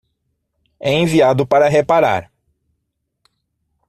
É enviado para reparar